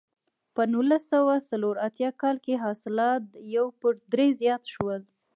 په نولس سوه څلور اتیا کال کې حاصلات یو پر درې زیات شول.